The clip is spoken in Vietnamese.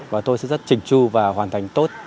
và tôi sẽ rất trình tru và hoàn thành tốt